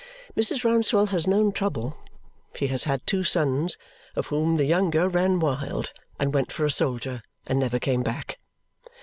Mrs. Rouncewell has known trouble. She has had two sons, of whom the younger ran wild, and went for a soldier, and never came back.